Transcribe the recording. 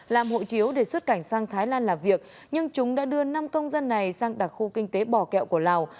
làm hộ chiếu để xuất cảnh sang thái lan làm việc nhưng chúng đã đưa năm công dân này sang đặc khu kinh tế bò kẹo của lào